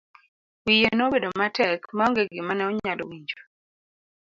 Wiye nobedo matek ma onge gima ne onyalo winjo.